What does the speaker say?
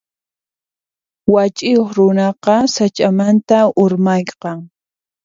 Wach'iyuq runaqa sach'amanta urmaqan.